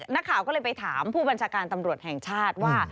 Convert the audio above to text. นักข่าวก็เลยไปถามผู้บัญชาการตำรวจแห่งชาติว่า